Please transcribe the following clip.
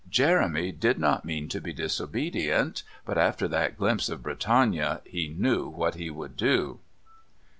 Jeremy did not mean to be disobedient, but after that glimpse of Britannia he knew that he would go.